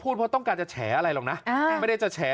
เพราะต้องการจะแฉอะไรหรอกนะไม่ได้จะแฉ